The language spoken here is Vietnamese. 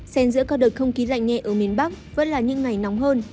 xen giữa các đợt không khí lạnh nhẹ ở miền bắc vẫn là những ngày nóng hơn